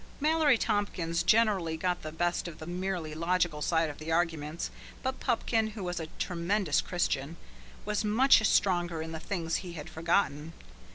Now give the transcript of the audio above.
Mallory Tompkins generally got the best of the merely logical side of the arguments, but Pupkin who was a tremendous Christian was much stronger in the things he had forgotten.